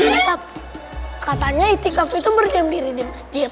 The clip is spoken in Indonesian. itap katanya itikaf itu berdiam diri di masjid